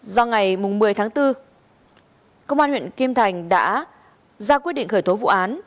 do ngày một mươi tháng bốn công an huyện kim thành đã ra quyết định khởi tố vụ án